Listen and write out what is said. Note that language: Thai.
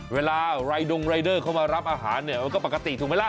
เวลารายดงรายเดอร์เข้ามารับอาหารเนี่ยมันก็ปกติถูกไหมล่ะ